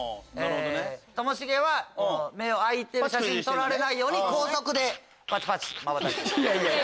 ともしげは目を開いてる写真撮られないように高速でパチパチまばたき。